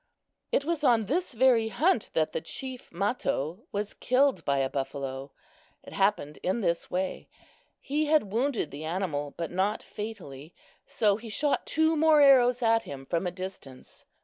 It was on this very hunt that the chief Mato was killed by a buffalo. It happened in this way. He had wounded the animal, but not fatally; so he shot two more arrows at him from a distance.